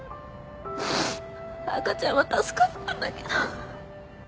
赤ちゃんは助かったんだけど。